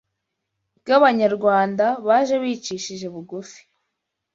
bw’Abanyarwanda baje bicishije bugufi